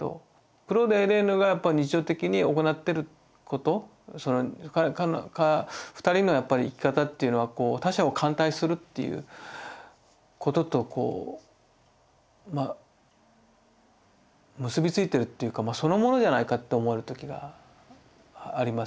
クロードエレーヌがやっぱ日常的に行ってることその２人の生き方っていうのは他者を歓待するっていうことと結び付いてるっていうかそのものじゃないかって思えるときがありますよね。